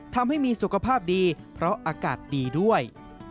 ทำให้มีสุขภาพดีเพราะอากาศดีด้วย